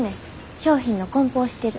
商品のこん包してる。